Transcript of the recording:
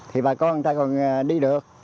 thì bà con người ta còn đi được